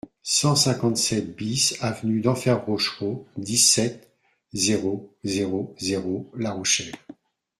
cent cinquante-sept BIS avenue DENFERT ROCHEREAU, dix-sept, zéro zéro zéro, La Rochelle